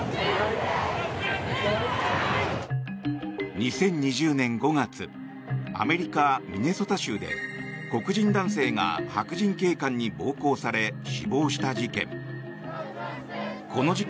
２０２０年５月アメリカ・ミネソタ州で黒人男性が白人警官に暴行され死亡した事件。